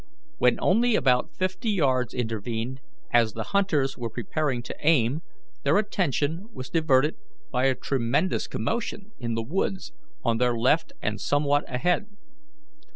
When only about fifty yards intervened, as the hunters were preparing to aim, their attention was diverted by a tremendous commotion in the woods on their left and somewhat ahead.